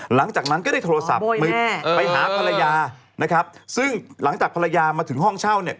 หลังจากนั้นก็ได้โทรศัพท์ไปหาภรรยาซึ่งหลังจากภรรยามาถึงห้องเช่า